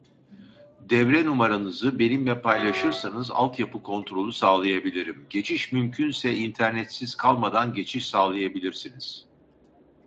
Devre numaranızı benimle paylaşırsanız alt yapı kontrolü sağlayabilirim. Geçiş mümkense internetsiz kalmadan geçiş sağlayabilirsiniz.